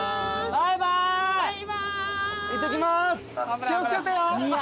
バイバイ！